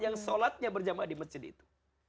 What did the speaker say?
yang sholatnya berjamaah di masjid itu